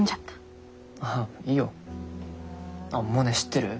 あっモネ知ってる？